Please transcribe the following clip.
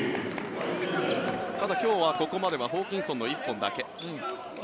ただ、今日はここまではホーキンソンの１本だけ。